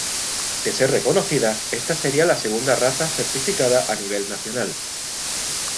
De ser reconocida, esta sería la segunda raza certificada a nivel nacional.